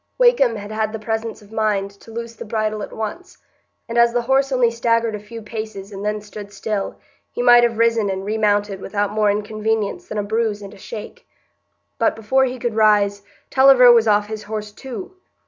Wakem had had the presence of mind to loose the bridle at once, and as the horse only staggered a few paces and then stood still, he might have risen and remounted without more inconvenience than a bruise and a shake. But before he could rise, Tulliver was off his horse too.